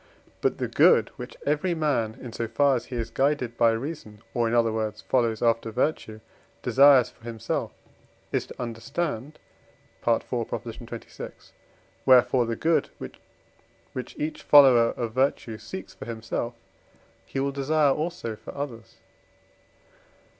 But the good which every man, in so far as he is guided by reason, or, in other words, follows after virtue, desires for himself, is to understand (IV. xxvi.); wherefore the good, which each follower of virtue seeks for himself, he will desire also for others.